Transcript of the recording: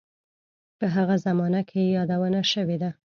په هغه زمانه کې یې یادونه شوې ده.